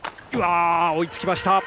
追いつきました。